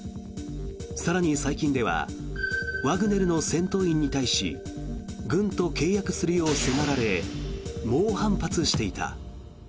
更に、最近ではワグネルの戦闘員に対し軍と契約するよう迫られ猛反発していた。